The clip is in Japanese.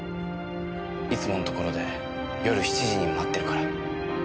いつものところで夜７時に待ってるから。